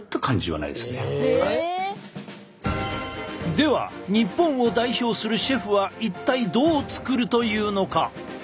では日本を代表するシェフは一体どう作るというのか？